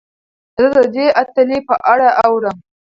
زه د دې اتلې په اړه اورم.